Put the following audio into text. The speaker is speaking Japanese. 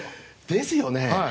ですよね。